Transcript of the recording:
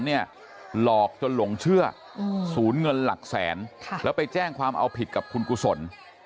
หลอกจนหลงเชื่อศูนย์เงินหลักแสนแล้วไปแจ้งความเอาผิดกับคุณกุศล